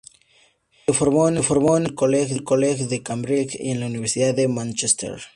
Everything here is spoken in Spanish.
Se formó en el Churchill College de Cambridge y en la Universidad de Mánchester.